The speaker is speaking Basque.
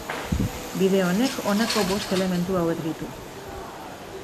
Bide honek honako bost elementu hauek ditu.